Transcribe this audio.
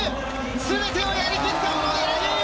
全てをやりきった、小野寺吟雲！